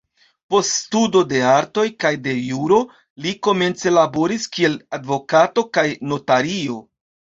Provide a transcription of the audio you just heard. Post studo de artoj kaj de juro, li komence laboris kiel advokato kaj notario.